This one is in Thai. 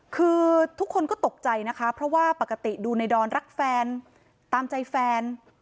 คือทุกคนก็ตกใจนะคะเพราะว่าปกติดูในดอนรักแฟนตามใจแฟน